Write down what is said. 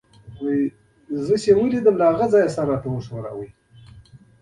زما له لیدو سره يې له هغه ځایه سر راته وښوراوه.